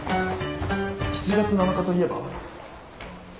７月７日といえば？